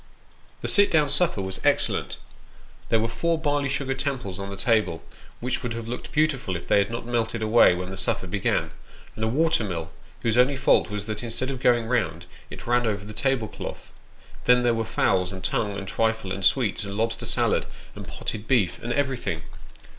The " sit down supper " was excellent ; there were four barley sugar temples on the table, which would have looked beautiful if they had not melted away when the supper began ; and a water mill, whose only fault was that instead of going round, it ran over the table cloth. Then there were fowls, and tongue, and trifle, and sweets, and lobster salad, and potted beef and everything.